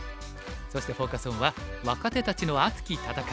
そしてフォーカス・オンは「若手たちの熱き戦い！